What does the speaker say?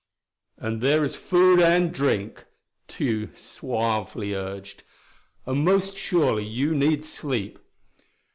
"And there is food and drink," Tugh suavely urged. "And most surely you need sleep.